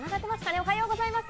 おはようございます。